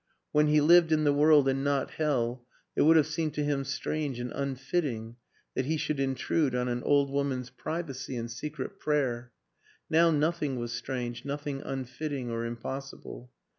When he lived in the world and not hell it would have seemed to him strange and un fitting that he should intrude on an old woman's privacy and secret prayer; now nothing was strange, nothing unfitting or impossible.